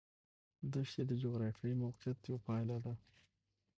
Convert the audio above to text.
دښتې د جغرافیایي موقیعت یوه پایله ده.